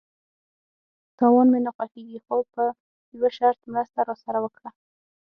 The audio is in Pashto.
_تاوان مې نه خوښيږي، خو په يوه شرط، مرسته راسره وکړه!